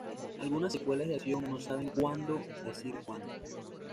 Algunas secuelas de acción no saben cuándo decir cuando.